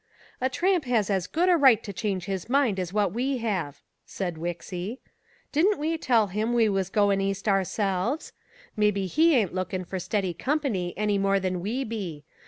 "A tramp has as good a right to change his mind as what we have," said Wixy. "Didn't we tell him we was goin' East ourselves? Maybe he ain't lookin' for steady company any more than we be.